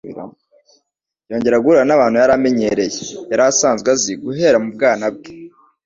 Yongera guhura n'abantu yari amenyereye, yari asanzwe azi guhera mu bwana bwe.